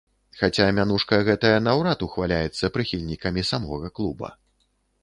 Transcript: Хаця мянушка гэтая наўрад ухваляецца прыхільнікамі самога клуба.